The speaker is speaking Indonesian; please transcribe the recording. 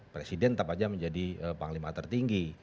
presiden tetap saja menjadi panglima tertinggi